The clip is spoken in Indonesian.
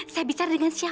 saya bicara dengan siapa